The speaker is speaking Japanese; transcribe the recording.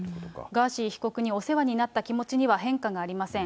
ガーシー被告にお世話になった気持には変化がありません。